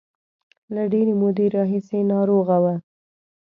له ډېرې مودې راهیسې ناروغه و.